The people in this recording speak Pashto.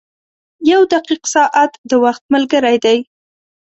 • یو دقیق ساعت د وخت ملګری دی.